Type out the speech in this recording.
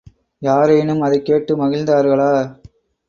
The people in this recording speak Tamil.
யாரேனும் அதைக் கேட்டு மகிழ்ந்தார்களா?